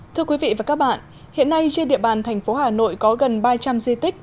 thưa quý vị và các bạn hiện nay trên địa bàn thành phố hà nội có gần ba trăm linh di tích